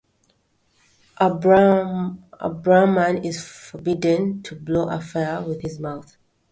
A Brahman is forbidden to blow a fire with his mouth.